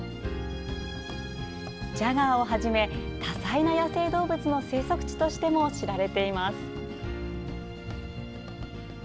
ジャガーをはじめ多彩な野生動物の生息地としても知られています。